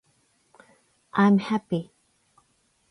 i'm happy